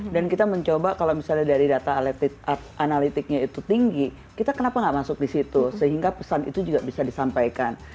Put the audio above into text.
dan kita mencoba kalau misalnya dari data analitiknya itu tinggi kita kenapa gak masuk di situ sehingga pesan itu juga bisa disampaikan